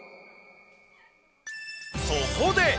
そこで。